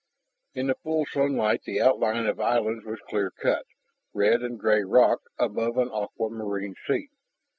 In the full sunlight the outline of islands was clear cut red and gray rock above an aquamarine sea.